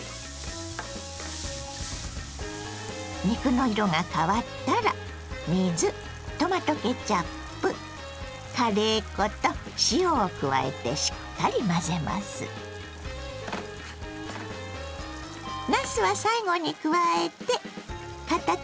肉の色が変わったら水トマトケチャップカレー粉と塩を加えてしっかり混ぜます。